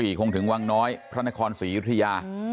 คงถึงวังน้อยพระนครศรียุธยา